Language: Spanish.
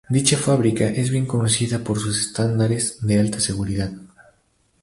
Dicha fábrica es bien conocida por sus estándares de alta seguridad.